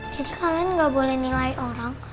jadi kalian gak boleh nilai orang